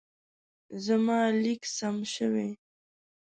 زما لیک سم شوی.